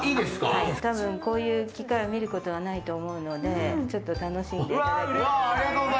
たぶんこういう機械は見ることがないと思うのでちょっと楽しんでいただければ。